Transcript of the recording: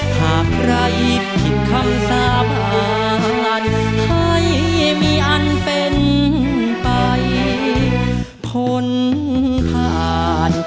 หากใครผิดคำสาบานให้มีอันเป็นไปพ้นผ่าน